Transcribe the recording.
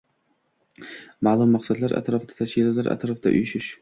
ma`lum maqsadlar atrofida tashkilotlar atrofida uyushish